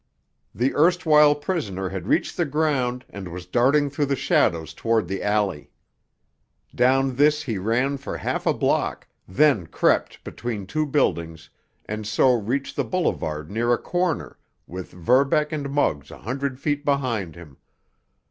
The erstwhile prisoner had reached the ground and was darting through the shadows toward the alley. Down this he ran for half a block, then crept between two buildings, and so reached the boulevard near a corner, with Verbeck and Muggs a hundred feet behind him.